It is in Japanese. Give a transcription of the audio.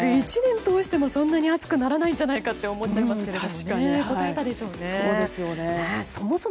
１年通してもそんなに暑くならないんじゃないかと思っちゃいますけども。